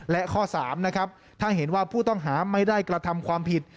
และข้อ๓นะครับถ้าเห็นว่าผู้ต้องหาไม่ได้กระทำความผิด